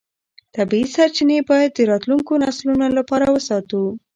طبیعي سرچینې باید د راتلونکو نسلونو لپاره وساتو